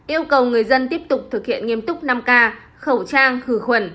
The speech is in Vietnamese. yêu cầu người dân tiếp tục thực hiện nghiêm túc năm k khẩu trang khử khuẩn